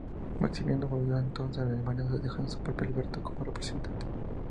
Maximiliano volvió entonces a Alemania, dejando a su primo Alberto como representante.